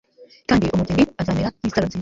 Kandi umugeni azamera nkisaro nziza